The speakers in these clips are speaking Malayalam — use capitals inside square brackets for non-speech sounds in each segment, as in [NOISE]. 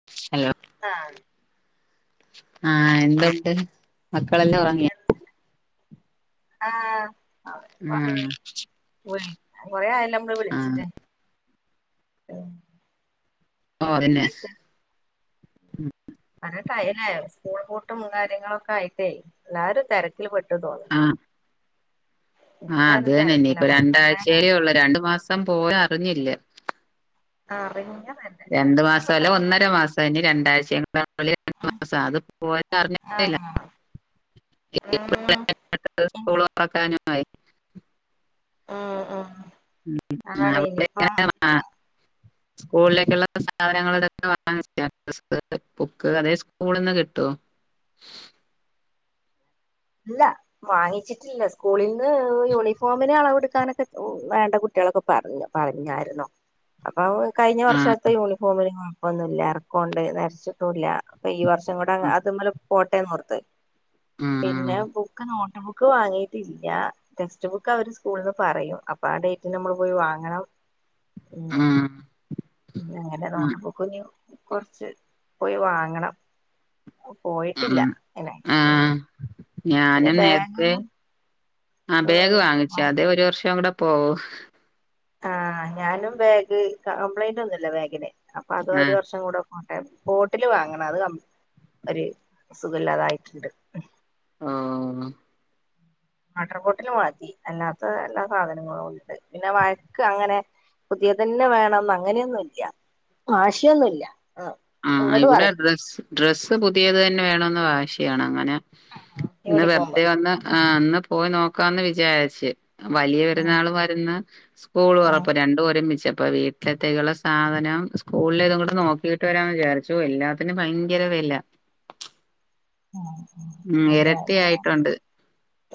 [UNINTELLIGIBLE] ആഹ് ആഹ് എന്തുണ്ട് മക്കളെല്ലാം ഒറ ആഹ് [UNINTELLIGIBLE] ആഹ് ഒറങ്ങി. കൊറേആയല്ലോ മ്മള് ആഹ് വിളിച്ചിട്ട്. ഓഹ് അതന്നെ എന്തൊക്കെയാ വിശേഷം [UNINTELLIGIBLE] സ്കൂൾ പൂട്ടും കാര്യങ്ങളൊക്കെ ആയിട്ടേ എല്ലാരും തെരക്കിൽ പെട്ടു. [UNINTELLIGIBLE] ആഹ് ആഹ് എല്ലാരും അതന്നെ തെരക്കിലാ ഇനിപ്പൊ പിള്ളേര് രണ്ടാഴ്ചയല്ലേ ഉള്ളൂ രണ്ടു മാസം പോയ അറിഞ്ഞില്ല. ആഹ് [UNINTELLIGIBLE] രണ്ട് മാസല്ല ഒന്നര മാസം ഇനി രണ്ടാഴ്ച [UNINTELLIGIBLE] [UNINTELLIGIBLE] മാസം അത് പോയത് അറിഞ്ഞതേല്ല ആഹ് ഉം ഇനി [UNINTELLIGIBLE] ആഹ് ആഹ് അതാണ് ഇനിപ്പൊ ആഹ് സ്കൂളിലേക്കുള്ള സാധനങ്ങളതൊക്കെ വാങ്ങിച്ചോ [UNINTELLIGIBLE] ബുക്ക് അതേ സ്കൂളിന്ന് കിട്ടോ? ഇല്ല വാങ്ങിച്ചിട്ടില്ല. സ്കൂളീന്ന് യൂണീഫോമിന് അളവെടുക്കാനൊക്കെ വേണ്ട കുട്ടികളൊക്കെ പറഞ്ഞു പറഞ്ഞാരുന്നോ? അപ്പൊ കഴിഞ്ഞ ആഹ് വർഷത്തെ യൂണിഫോമിന് കൊഴപ്പൊന്നുംല്ല എറക്കോണ്ട് നരച്ചിട്ടുംല്ല അപ്പൊ ഈ വർഷം കൂടെ ആഹ് അതുമ്മലെ പോട്ടേന്നോർത്ത്. പിന്നെ ബുക്ക് നോട്ട് ബുക്ക് വാങ്ങീട്ടില്ല. ടെക്സ്റ്റ് ബുക്ക് അവര് സ്കൂൾന്ന് പറയും. അപ്പൊ ആ ഡേറ്റിന് നമ്മള് പോയി വാങ്ങണം ആഹ് ഏത ആഹ് നോട്ട് ബുക്ക്‌ഞ്ഞി കൊർച്ച് പോയി വാങ്ങണം പോയിട്ടില്ല ആഹ് ആഹ് [UNINTELLIGIBLE] പിന്നെ ഞാനും നേരത്തെ ബാഗിനും അഹ് ബാഗ് ഉം വാങ്ങിച്ചു. അത് ഒരു വർഷം കൂടെ പോ ആഹ് ഞാനും ബാഗ് കംപ്ലൈന്റ് ഒന്നുംല്ല ബാഗിന് അപ്പ അത് ആ ഒരു വർഷം കൂടെ പോട്ടെ. ബോട്ടില് വാങ്ങണം അത് കം ഒര് സുഖല്ലാതായിട്ട്ണ്ട് ആഹ് വാട്ടർ ബോട്ടില് മാറ്റി. അല്ലാത്ത എല്ലാ സാധനങ്ങളും ഉണ്ട്. പിന്നെ വഴക്ക് അങ്ങനെ പുതിയതന്നെ വേണംന്ന് അങ്ങനെയൊന്നുല്ല വാശിയൊന്നുല്ല ആഹ് ആഹ് ഇവ്ടെ ഡ്രസ്സ് ഡ്രസ്സ് പുതിയത് തന്നെ വേണംന്ന് വാശിയാണ് അങ്ങനെ ഇന്ന് യൂണിഫോമ് വെറുതെ വന്ന് ആഹ് ഇന്ന് പോയി നോക്കാംന്ന് വിചാരിച്ച് വലിയ ആഹ് പെരുന്നാള് വരുന്ന് സ്കൂൾ ആഹ് തുറപ്പ്. രണ്ടും ഒരുമിച്ചപ്പോ വീട്ടിലത്തേക്കുള്ള സാധനം സ്കൂളിലേതും കൂടെ നോക്കീ ട്ട് വരാന്ന് വിചാരിച്ചു എല്ലാത്തിനും ഭയങ്കര വില ആഹ് ആഹ് ഉം ശരിയാണ് എരട്ടി ആയിട്ടുണ്ട്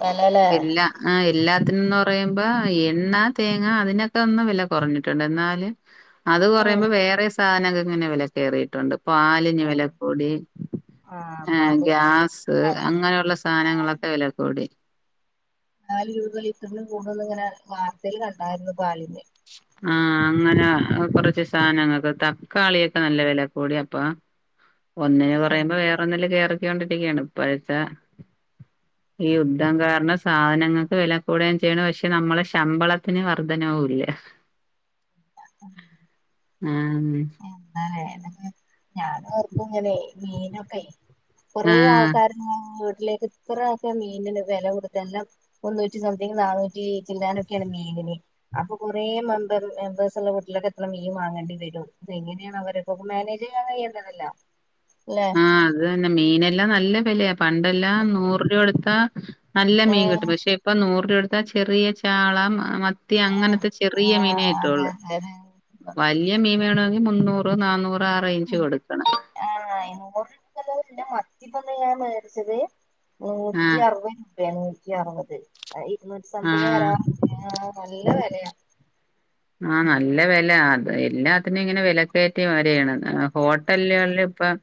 വെലല്ലേ വര്ല്ല ആഹ് എല്ലാത്തിനുംന്ന് പറയുമ്പോ എണ്ണ തേങ്ങ അതിനൊക്കെ ഒന്ന് വില കൊറഞ്ഞിട്ടുണ്ട് എന്നാലും അത് പറയുമ്പോ വേറെ സാനങ്ങൾക്ക് ഇങ്ങനെ വില കയറിയിട്ടുണ്ട് പാലിന് വിലക്കൂടി ആഹ് ഏഹ് പാല് ഗ്യാസ് ഹ് അങ്ങനെയുള്ള സാനങ്ങളൊക്കെ വില കൂടി നാല് രൂപ ലിറ്ററിന് കൂടൂന്ന് ഇങ്ങനെ വാർത്തേല് കണ്ടായിരുന്നു പാലിന് ആഹ് അങ്ങനെ കൊറച്ച് സാനങ്ങൾക്ക് തക്കാളിയൊക്കെ നല്ല വില കൂടി അപ്പൊ ഒന്നിന് ഉം കൊറയുമ്പോ വേറെന്നിന് കേറിക്കൊണ്ടിരിക്കയാണ് ഇപ്പഴത്തെ ഈ യുദ്ധം കാരണം സാധനങ്ങൾക്ക് വില കൂടുകയും ചെയ്തു. പക്ഷെ നമ്മളെ ശമ്പളത്തിന് വർധനവും ഇല്ല [INAUDIBLE] ആഹ് എന്താലെ [UNINTELLIGIBLE] ഞാൻ ഓർക്കും ഇങ്ങനെ മീനൊക്കെ കൊറേ ആൾ ആ കാരണം വീട്ടിലേക്ക് ഇത്രയക്കെ മീനിന് വെല കൊടുത്ത് എല്ലാം മുന്നൂറ്റി സംതിങ് നന്നൂറ്റി ചില്ലാനൊക്കെയാണ് മീനിന് അപ്പൊ കുറേ മെമ്പർ മെമ്പേഴ്സ് ഉള്ള വീട്ടിലൊക്കെ എത്ര മീൻ വാങ്ങേണ്ടി വരും എങ്ങനെയാണ് അവര്പ്പൊ മേനേജ് ചെയ്യാൻ കഴിയേണ്ടതല്ല ല്ലേ ത് തന്നെ മീനെല്ലാം നല്ല വിലയാ പണ്ടെല്ലാം നൂറ് രൂപ കൊടുത്താ നല്ല മീൻ കിട്ടും ഏഹ് പക്ഷെ ഇപ്പം നൂറ് രൂപ കൊടുത്താ ചെറിയ ചാള മത്തി ആഹ് അങ്ങനത്തെ ചെറിയ ആഹ് മീനെ അതെ കിട്ടൊള്ളു അതെ അതെ വല്യ മീൻ വേണമെങ്കിൽ മുന്നൂറ് നാഞ്ഞൂറ് ആ റേഞ്ച് കൊടുക്കണം ആഹ് നൂറ്പ്യല്ല മത്തിപ്പെ ഇന്ന് ഞാൻ മേടിച്ചത് നൂറ്റി ആഹ് അറുപത് രൂപയാണ് നൂറ്റി അറുപത് ഇരുന്നൂറ്റി സംതിങ്ങ് ആഹ് വരാ ആഹ് നല്ല വെലയാ ആഹ് നല്ല വെല അത് എല്ലാത്തിനും ഇങ്ങനെ വില കയറ്റി വരയാണ് ഹോട്ടലുകളിൽ ഇപ്പം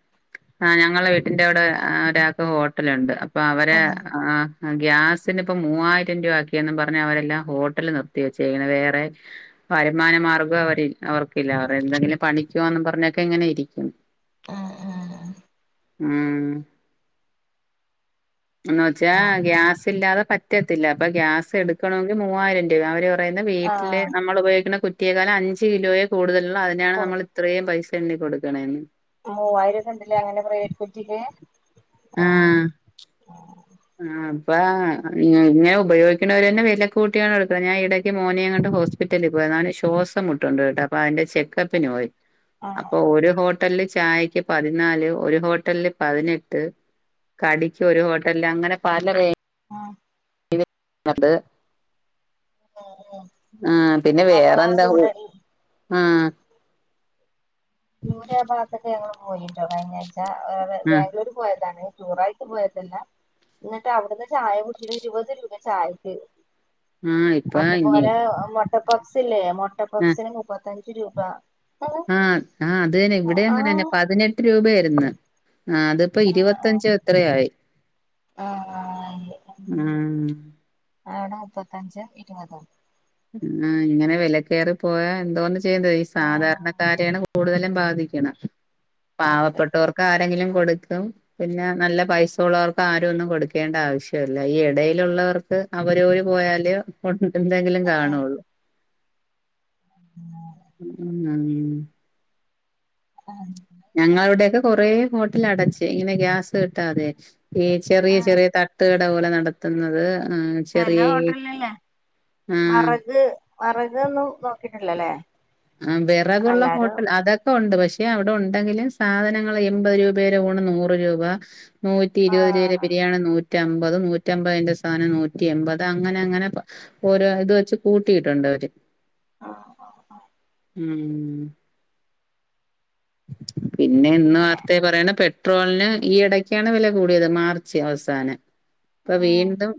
ആഹ് ഞങ്ങളെ വീട്ടിന്റെ അവിടെ ഒരാൾക്ക് ഹോട്ടലുണ്ട് അപ്പൊ അവരെ ഉം ആഹ് അഹ് ഗ്യാസിന് ഇപ്പം മൂവ്വായിരം രൂപ ആക്കിയെന്നും പറഞ്ഞ അവരെല്ലാം ഹോട്ടല് നിർത്തി വെച്ചെക്ക്ണ് വേറെ വരുമാന മാർഗം അവര് അവർക്കില്ല അവർ എന്തെങ്കിലും പണിക്കോവാന്ന് പറഞ്ഞൊക്കെ ഇങ്ങനെ ഇരിക്കുന്ന് ആഹ് ആഹ്ആഹ് ഉം എന്ന് വെച്ചാ ഓഹ് ഗ്യാസ് ഇല്ലാതെ പറ്റ പറ്റത്തില്ല അപ്പൊ ഗ്രാസ്എടുക്കണമെങ്കിൽ മൂവായിരം രൂപ അവര് പറയുന്ന വീട്ടില് ആഹ് നമ്മള് ഉപയോഗി കുറ്റിയേകാള് അഞ്ച് കിലോയേ കൂടുതലുള്ളൂ അതിനാണ് നമ്മള് ഇത്രയും പൈസ എണ്ണി കൊടുക്കണേന്ന് മൂവായിരം ഒക്കെ ഉണ്ടല്ലേ അങ്ങനെ പ്രവെറ്റ് കുറ്റിക്ക് ആഹ് ആ അപ്പ ഇങ്ങനെ ഉപയോഗിക്കുന്നവര് തന്നെ വില കൂട്ടിയാണ് എടുക്കുന്നത് ഞാൻ ഇടക്ക് മോനെങ്ങോണ്ട് ഹോസ് ഹോസ്പിറ്റലിൽ പോയി അവന്ശ്വാസംമുട്ടുണ്ട് ട്ടൊ അപ്പൊ അയിന്റെ ചെക്കപ്പിന് പോയി അപ്പോ ഓല് ഹോട് ഹോട്ടിൽ ചായക്ക് പതിനാല് ഒരു ഹോട്ടലില് പതിനെട്ട് കടിക്ക് ഒരു ഹോട്ട ട്ടലില് അങ്ങനെ പല റേറ്റ് ആഹ് അത് ആഹ് ആഹ് ആ പിന്നെ വേറെന്താ ഉ ആഹ് ദൂര ഭാഗത്തൊക്കെ ഞങ്ങള് പോയിട്ടോ കഴിഞ്ഞാഴ്ച്ചാ ആഹ് ബാഗ്ലൂർ പോയതാണ് ടൂറായിട്ട് പോയതല്ല ഇന്നിട്ട് അവിടുന്ന് ചായ കുടിച്ചുട്ടൊ ഇരുപത് രൂപ ചായക്ക് ആഹ് ഇപ്പ ഇനി അതുപോലെ മൊട്ടപപ്സ് ഇല്ലേ ആഹ് മൊട്ടപപ്സിന് മു പ്പത്തഞ്ച് രൂപ ആഹ് ആഹ് അത് തന്നെ ഇവിടെ അങ്ങനെ തന്നെ ആഹ് പതിനെട്ട് രൂപയായിരുന്നു ആ ഇതിപ്പൊ ആഹ് ഇരുപത്തിഞ്ച് ത്രയായി ആഹ് ആഹ് അവിടെ മുപ്പത്തഞ്ചോഇരുപതൊ ആഹ് ഇങ്ങനെ വിലക്കയറി പോയാ എന്തോന്ന് ചെയ്യേണ്ടേ ഈ ആഹ് സാധാരണക്കാരെയാണ് കൂടുതലും ബാധിക്ക്ണ് അതെ പാവപ്പെട്ടവർക്ക് ആരെങ്കിലും കൊടുക്കും പിന്നെ നല്ല പൈസ ഉള്ളവർക്ക് ആരും ഒന്നും കൊടുക്കേണ്ട ആവശ്യല്ല ഈ ഇടയിലുള്ളവർക്ക് അവര് വര് പോയാല് [UNINTELLIGIBLE] എന്തങ്കിലും ആഹ് കാണുള്ളൂ ആഹ ഞങ്ങള വിടെൊക്കെ കൊറേ ഹോട്ടല് അടച്ച് ഇങ്ങനെ ഗ്യാസ് കിട്ടാതെ ഈ ചെറിയ ആഹ് ചെറിയ തട്ടുകട പോലെ നടത്തുന്നത് ആ ചല ഹോട്ടലല്ലേ ആഹ് വറക് വറക് ഒന്നും നോക്കിട്ടില്ലല്ലേ ആ വിറകുള്ള എല്ലാരും ഹോട്ടൽ അതൊെ ഉണ്ട് പക്ഷെ അവിടെ ഉണ്ടെങ്കിലും സാധനങ്ങൾ എൺപത് രൂപയുടെ ഊണ് നൂറ് രൂപ നൂറ്റി ഇരുപത് രൂരെ ആഹ് ബിരിയാണി നൂറ്റി നൂറ്റമ്പത് നൂറ്റമ്പതിന്റെ സാധനം നൂറ്റി എമ്പത് അങ്ങനെ അങ്ങനെ ഓരോ ഇത് വെച്ച് കൂട്ടിയിട്ടുണ്ട് അവര് ആഹ ആഹ് ആഹ ഉം പിന്നെ ഇന്ന് പിന്നെ വാർത്ത പറയണ പെ ട്രോളിന് ഈ ഇടക്കാണ് വില കൂടിയത് മാർച്ച് അവസാനം ഇപ്പൊ വീണ്ടും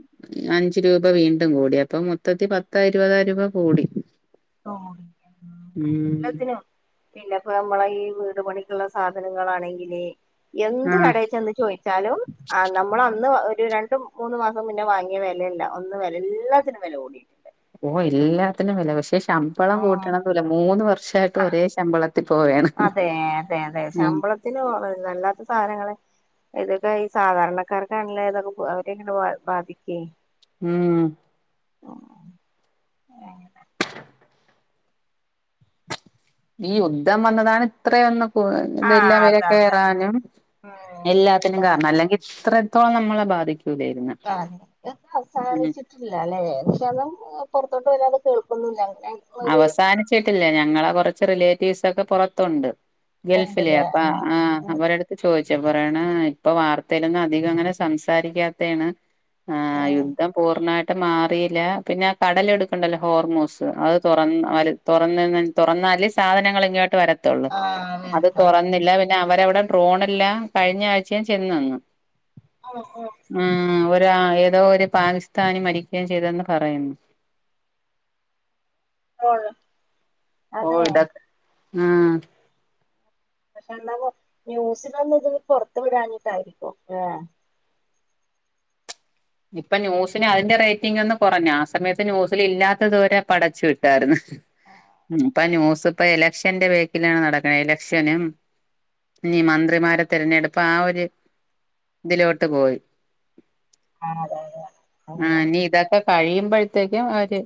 അഞ്ചു രൂപ വീണ്ടും കൂടി അപ്പൊ മൊത്തത്തി പത്ത ഇരുപതായിരംരൂപ കൂടി ഓ ഉം എല്ലാത്തിനും പിന്നെപ്പ നമ്മള ഈ വീട് പണിക്കുള്ള സാധനങ്ങളാണെങ്കില് എന്ത് ആഹ് കടയി ചെന്ന് ചോയി വാലും നമ്മള അന്ന് ഒരു രണ്ട മൂന്ന മാസം മുന്നേ വാങ്ങിയ വെലല്ല ഒന്ന് വില എല്ലാത്തിനും വെല കൂടിക്ക്ണ് ഓ എല്ലാത്തിനും വെല പക്ഷേ ശാം ശമ്പളം ആഹ് കൂട്ടണംന്നല മൂന്ന് വർഷമായിയിട്ട് ആഹ് ഒരേ ശമ്പളത്തിൽ പോവയാണ് ഉ ത്തിനോ വല്ലാത്ത സാധനങ്ങളെ ഇതൊക്കെ ഈ സാധാരണക്കാർക്കാണല്ലെ ഇതൊക്കെ അവരെയിങ്ങനെ ബാധിക്കേ ഉം [INAUDIBLE] ഈ യുദ്ധം വന്നതാണ് ഇത്രയൊന്നും ഇതെല്ലാം ആഹ് വെല അതെ അതെ കേറാനും എല്ലാത്തിനും കാരണം അല്ലെങ്കിൽ ഇത്ര ത്തോളം നമ്മളെ ബാധിക്കുലായിരുന്നു അ ഇതൊന്നു അവസാനിച്ചി ഇല്ലാല്ലേ പക്ഷെ അതും പൊറത്തോട്ടുവരാതെ കേൾക്കൊന്നില്ല എങ്ങ് അവസാനിച്ചിട്ടില്ല ഞങ്ങളെ കൊറച്ച് റിലേറ്റീവ്സൊക്കെ പൊറത്തൊണ്ട് ഗൾഫിലേ ഉണ്ടല്ലേ അപ്പ ആ ആഹ് അവടു ചോദിച്ചപ്പറയാണ് ഇപ്പൊ വാർത്തയിലൊന്നും അധികം അങ്ങനെ സംസാരിക്കാത്തെയാണ് ആ യുദ്ധം പൂർണ്ണമായിട്ട് മാറിയില്ല പിന്നെ ആ കടലിടുക്കൊണ്ടല്ലോ ഹോർമോസ് അത് തൊറന്നാല് തൊറന്നെന്ന് തൊറന്നാല് സാധനങ്ങൾ ഇങ്ങോട്ട് വര ത്തോള്ളു ആഹ് അത് തൊറന്നില്ല പിന്നെ അവരവിടെ ട്രോണെല്ലാം കഴിഞ്ഞ ആഴ്ചയും ചെന്നുനിന്നു ഓ ഓ ഉം ഒരു ആ ഏതോ ഒരു പാകിസ്ഥാനി മരിക്കുകയും ചെയ്തെന്ന് പറയുന്നു ഇപ്പൊഴാ ഓ ഇട് ഉം പക്ഷെ എന്താവൊ ന്യൂസിലൊന്നും ഇത് പൊറത്തുവിടാഞ്ഞിട്ടായിരിക്കും ഇപ്പൊ ന്യൂസിന് അതിന്റെ റേറ്റിങ്ങൊന്നുകുറഞ്ഞാ ആ സമയത്ത് ന്യൂസിലില്ലാത്തതുവരെ പടച്ചുവിട്ടായിരുന്നു ഉം ഇപ്പ ന്യൂസിപ്പ ഇലക്ഷന്റെ ബേക്കിലാണ് നടക്കണെ എലക്ഷനും ഇനി മന്ത്രിമാരെ തിരഞ്ഞെടുപ്പ് ആ ഒരു ഇതിലോട്ട് പോയി ആ അതെയതെ ആ ഇനി ഇതൊക്കെ കഴിയുമ്പഴത്തേക്കും അവര്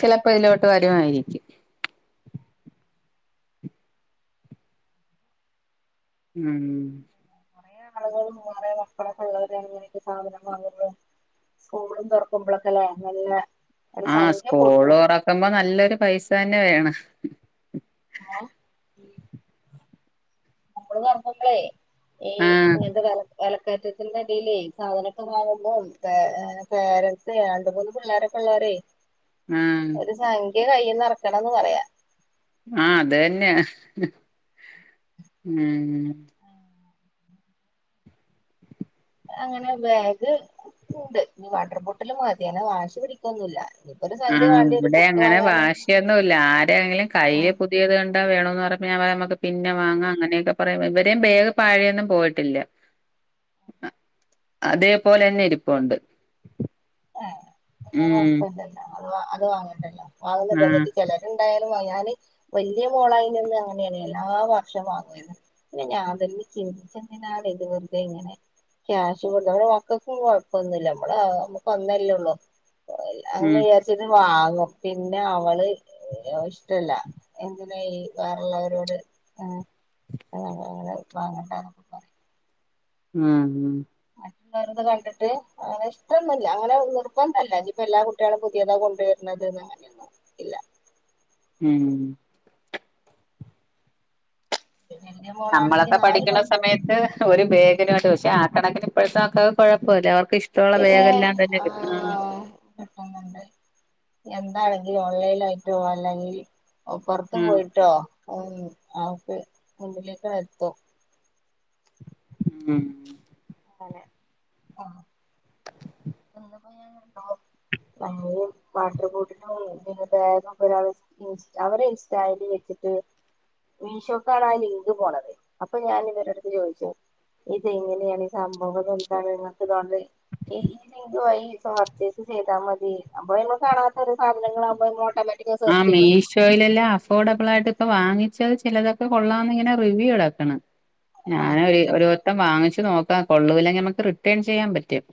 ചിലപ്പോ ഇതിലോട്ട് വരുമായിരിക്കും ഉം തകളും കൊറെ മക്കളൊക്കെയൊള്ളവരെയെ ങ്ങനെയൊക്കെ സാധനം വാങ്ങുന്നത് സ്കൂളും തൊറക്കുമ്പോളൊക്കെല്ലേ നല്ല ഒരു ആ സംഖ്യ പൊട്ടും സ്കൂള്തൊറക്കുമ്പോ നല്ലൊരുപൈസ തന്നെവേണം ആവ് സ്കൂള്തൊറക്കുമ്പളേ ഈ ആ ഇങ്ങനത്തെ കാലത്ത് വിലക്കയറ്റത്തിന്റെടീലേ സാധനൊക്കെ വാങ്ങുമ്പോം പേരൻസേ രണ്ട് മൂന്ന് പിള്ളോരൊക്കെ ഉള്ളവരെ ആ ഒരു സംഖ്യ കയ്യീന്ന് ഇറക്കണമെന്നുപറയാം ആ അതുതന്നെയാ ഉം അങ്ങനെ ബാഗ് ഉണ്ട് ഇനി വാട്ടർബോട്ടില് മതി അങ്ങനെ വാശി പിടിക്കൊന്നൂല്ലാ ആ ഇവിടെ അങ്ങനെ വാശിയൊന്നൂല്ലാ ആരെയെങ്കിലും കൈയ്യേ പുത് പുതിയതുകണ്ടാ വേണോന്നു പറയുമ്പ ഞാൻപറയും നമ്മക്ക് പിന്നെവാങ്ങാം അങ്ങനെയൊക്കെ പറയും ഇവരേം ബാഗ് പഴെയൊന്നും പോയിട്ടില്ല അതെപോലെ തന്നെ ഇരിപ്പൊണ്ട് ആ പിന്നെ കൊഴപ്പില്ലല്ലോ അതുവാ അത് വാങ്ങണ്ടല്ലോ ആ വാങ്ങുന്നതിന്റെടക്ക് ചെല ഉണ്ടായാലും അയാന് വല്ല്യ മോളായി നിന്ന് അങ്ങനെയാണ് എല്ലാവർഷവും വാങ്ങുവാരിന്നു പിന്നെ ഞാൻതെല് ചിന്തിച്ചതിനാണ് ഇത് വെറുതെ ഇങ്ങനെ ക്യാഷ് കൊണ്ട് നമ്മടെ മക്കക്കും കൊഴപ്പൊന്നുമില്ല നമ്മള് അ ഒന്നല്ലേള്ളൂ അത് ഉം [UNINTELLIGIBLE] ച്ചന് വാങ്ങു പിന്നെ അവള് ഇഷ്ടല്ല എന്തിന ഈ വേറള്ളവരോട് [INAUDIBLE] ങ്ങള് വാങ്ങണ്ട എന്നൊക്കെ പറയും ആഹ് ഉം ആഹ് വേറത് കണ്ടിട്ട് ഇഷ്ടംന്നുല്ല അങ്ങനെ നിർബന്ധല്ല ഇനിയിപ്പ എല്ലാ കുട്ട ട്യാളും പുതിയതാ കൊണ്ടുവരുന്നത് അങ്ങനെയൊന്നും ഇല്ല ഉം പിന്നെ എന്റെ മോളാണെങ്കി നമ്മളൊക്കെ നാല് പഠിക്കണ കൊല്ലം സമയത്ത് ഒരുേ ബാഗ്നുണ്ട് പക്ഷെ ആ കണക്കിന് ഇപ്പോഴത്തെക്ക കുഴപ്പമില്ല അവർക്ക് ഇഷ് ഷ്ടമുള്ള ബാഗംല്ലാം തന്നെ കിട്ടി പറ്റുന്നുണ്ട് എന്താണെങ്കിൽ ഓൺലൈൻ ആയിട്ടോ അല്ലെങ്കിൽ [UNINTELLIGIBLE] പുറത്ത് ഉം പോയിട്ടോ ഉം ആക്ക് മുന്നിലേക്കു എത്തും ഉം ആഹ് അതെന്നെ [UNINTELLIGIBLE] [INAUDIBLE] വാട്ടർമ്പോട്ടിലും ബാഗും ഒരാൾ അവര് ഇൻസ്റ്റായിൽ വെച്ചിട്ട് മീഷോക്കാണ് ആ ലിങ്ക് പോണത് അപ്പൊ ഞാൻ ഇവടെടുത്ത് ചോദിച്ചു ഇത് എങ്ങനെയാണ് സംഭവം എന്താണ് ഇങ്ങത്തെണ്ട് ഇത് വഴിപർച്ചേസ് ചെയ്താൽ മതി അപ്പൊ നമ്മള് കാണാത്ത ഒരു സാധനങ്ങളൾുമ്പോ മോഡല ആഹ് മീ ഷോയിലെല്ലാം അഫോർഡബിൾ ആയിട്ട് ഷോയില് അഫോഡ ബളായിട്ട്ഇപ്പൊ വാങ്ങിച്ചത് ചിലതൊക്കെ കൊള്ളാംന്ന് ഇങ്ങനെ റിവ്യൂ ഇളക്ക്ണ് ഞാൻ ഒരുത്തം വാങ്ങിച്ച് നോക്കാ കൊള്ളൂല്ലെങ്കിൽ നമുക്ക് റിട്ടേൺ ചെയ്യാൻ പറ്റും